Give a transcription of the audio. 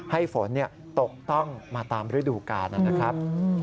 ให้ฝนตกต้องมาตามฤดูกาลนะครับ